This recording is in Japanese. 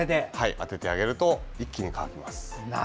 当ててあげると一気に乾きます。